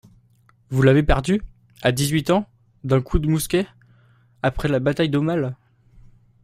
Vous l'avez perdu ? À dix-huit ans, d'un coup de mousquet … après la bataille d'Aumale.